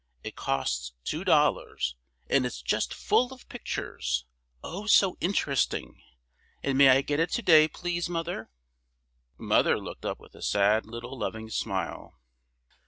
It costs two dollars, and it's just full of pictures, oh, so interesting! And may I get it to day, please, mother?" "Mother" looked up with a sad little loving smile.